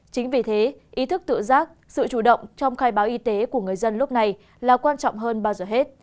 chính vì thế ý thức tự giác sự chủ động trong khai báo y tế của người dân lúc này là quan trọng hơn bao giờ hết